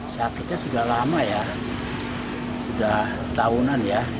sakitnya sudah lama ya sudah tahunan ya